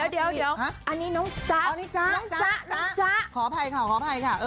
อ๋อเดี๋ยวอันนี้น้องจ๊ะอันนี้จ๊ะขออภัยค่ะขออภัยค่ะ